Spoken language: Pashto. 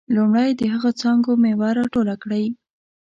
لومړی د هغه څانګو میوه راټوله کړئ.